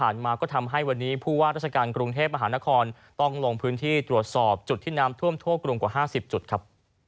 มาก็ทำให้วันนี้ผู้ว่าราชการกรุงเทพมหานครต้องลงพื้นที่ตรวจสอบจุดที่น้ำท่วมทั่วกรุงกว่า๕๐จุดครับ